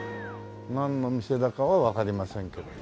なんの店だかはわかりませんけど。